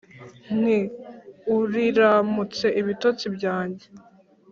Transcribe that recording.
Nti : Uriramutse bitotsi byanjye